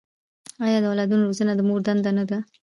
آیا د اولاد روزنه د مور دنده نه ده؟